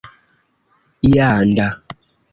landa